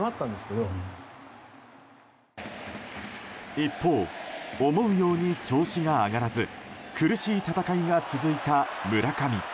一方、思うように調子が上がらず苦しい戦いが続いた村上。